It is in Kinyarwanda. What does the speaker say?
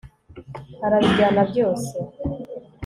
arabijyana byose